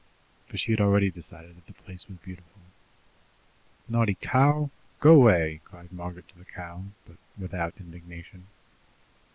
For she had already decided that the place was beautiful. "Naughty cow! Go away!" cried Margaret to the cow, but without indignation.